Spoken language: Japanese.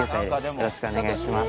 よろしくお願いします